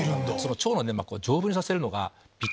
腸の粘膜を丈夫にさせるのが。